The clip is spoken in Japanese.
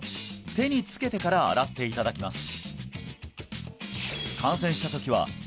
手につけてから洗っていただきます